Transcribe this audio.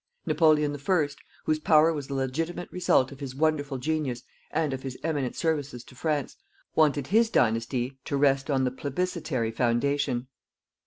Napoleon the First, whose power was the legitimate result of his wonderful genius and of his eminent services to France, wanted his dynasty to rest on the plebiscitary foundation.